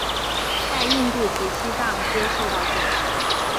在印度及西藏皆受到重视。